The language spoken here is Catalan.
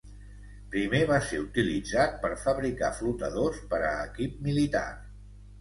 Primer va ser utilitzat per fabricar flotadors per a equip militar.